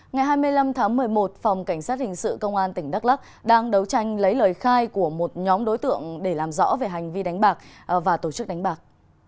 ngày hai mươi năm tháng một mươi một phòng cảnh sát hình sự công an tỉnh đắk lắc đang đấu tranh lấy lời khai của một nhóm đối tượng để làm rõ về hành vi đánh bạc và tổ chức đánh bạc